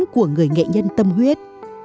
của người nghệ nhân tâm huyết